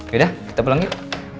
yaudah kita pulang yuk